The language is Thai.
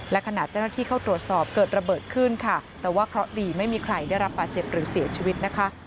และขณะเจ้าหน้าที่เข้าตรวจสอบเกิดระเบิดขึ้นค่ะแต่ว่าเคราะห์ดีไม่มีใครได้รับบาดเจ็บหรือเสียชีวิตนะคะ